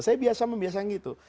saya biasa membiasanya gitu